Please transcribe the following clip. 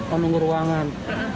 oh menunggu ruangan